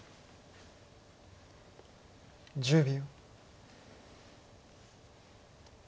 １０秒。